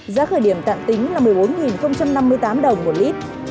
giá khởi điểm tạm tính là một mươi bốn năm mươi tám đồng một lít